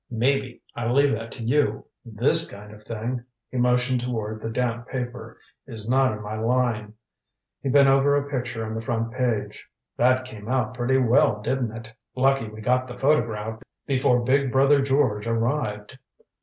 "Maybe. I leave that to you. This kind of thing" he motioned toward the damp paper "is not in my line." He bent over a picture on the front page. "That cut came out pretty well, didn't it? Lucky we got the photograph before big brother George arrived."